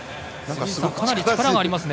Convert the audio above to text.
かなり力がありますね。